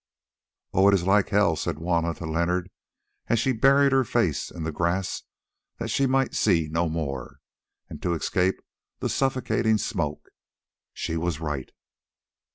"Oh, it is like hell!" said Juanna to Leonard, as she buried her face in the grass that she might see no more, and to escape the suffocating smoke. She was right.